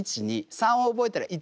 ３を覚えたら１２３。